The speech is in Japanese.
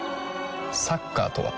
サッカーとは？